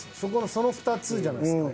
その２つじゃないですかね。